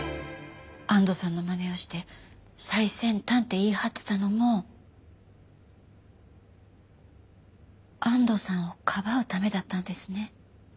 安藤さんのまねをして最先端って言い張ってたのも安藤さんをかばうためだったんですね。